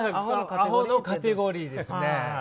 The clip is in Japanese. アホのカテゴリーですね。